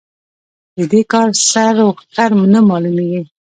د دې کار سر و ښکر نه مالومېږي.